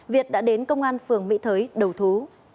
việt đã đến công an phường mỹ thới đầu thú